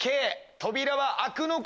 扉は開くのか